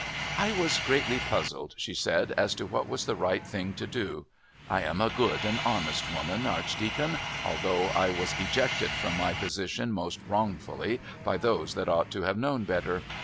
"I was greatly puzzled," she said, "as to what was the right thing to do. I am a good and honest woman, Archdeacon, although I was ejected from my position most wrongfully by those that ought to have known better.